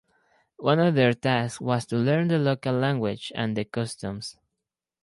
One of their tasks was to learn the local language and the customs.